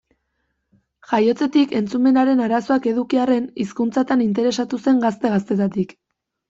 Jaiotzetik entzumenaren arazoak eduki arren, hizkuntzatan interesatu zen gazte-gaztetatik.